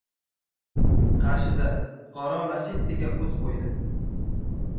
Qarshida fuqaro «Lasetti»ga o‘t qo‘ydi